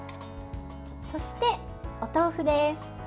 そして、お豆腐です。